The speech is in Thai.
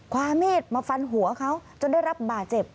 ความมีดมาฟันหัวเขาจนได้รับบาดเจ็บ